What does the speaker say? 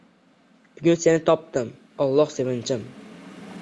Bugun seni topdim, Alloh, sevinchim